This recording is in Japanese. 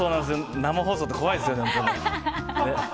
生放送って怖いですよね。